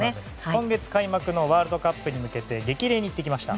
今月開幕のワールドカップに向けて激励に行ってきました。